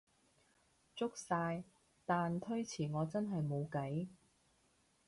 足晒，但推遲我真係無計